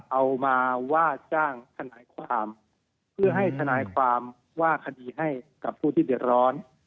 เอามาว่าจ้างทนายความเพื่อให้ทนายความว่าคดีให้กับผู้ที่เดือดร้อน